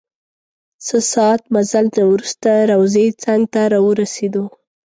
څه ساعت مزل نه وروسته روضې څنګ ته راورسیدو.